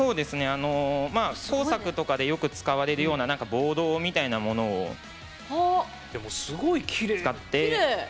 工作とかでよく使われるボードみたいなものを使って。